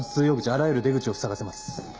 あらゆる出口を塞がせます。